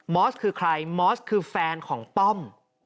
อสคือใครมอสคือแฟนของป้อม